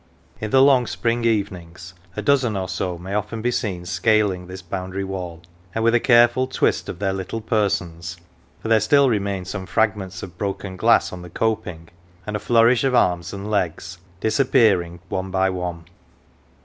In the long spring evenings a dozen or so may often be seen scaling this boundary wall, and with a careful twist of their little persons for there still remain some fragments of broken glass on the coping and a flourish of arms and legs, disap pearing one by one.